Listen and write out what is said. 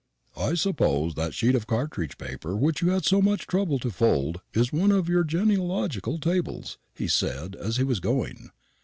"I suppose that sheet of cartridge paper which you had so much trouble to fold is one of your genealogical tables," he said as he was going.